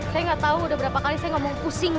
saya tidak tahu sudah berapa kali saya ngomong pusing